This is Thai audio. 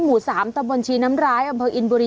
หมู่๓ตะบนชีน้ำร้ายอำเภออินบุรี